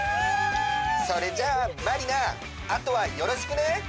それじゃあまりなあとはよろしくね！